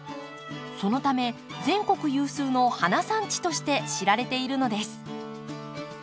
そのため全国有数の花産地として知られているのです。